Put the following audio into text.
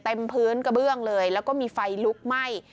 เต็มพื้นกระเบื้องเลยแล้วก็มีไฟลุกไหม้